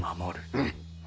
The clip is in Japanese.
うん！